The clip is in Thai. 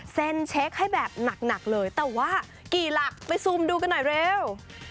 เช็คให้แบบหนักเลยแต่ว่ากี่หลักไปซูมดูกันหน่อยเร็ว